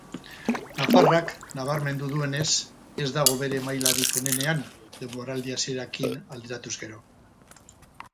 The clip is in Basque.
Nafarrak nabarmendu duenez, ez dago bere mailarik onenean denboraldi hasierarekin alderatuz gero.